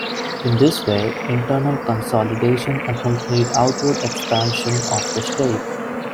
In this way, internal consolidation accompanied outward expansion of the state.